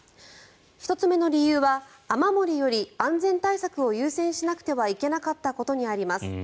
１つ目の理由は雨漏りより安全対策を優先しなくてはいけなかったことにあります。